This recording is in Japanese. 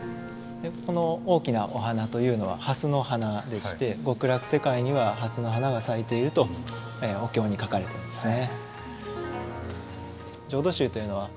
この大きなお花というのははすの花でして極楽世界にははすの花が咲いているとお経に書かれてるんですね。